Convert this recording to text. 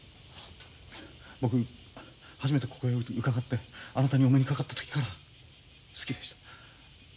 僕初めてここへ伺ってあなたにお目にかかった時から好きでした。